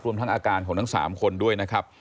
รวมทั้งอาการของทั้ง๓คนด้วยนะครับ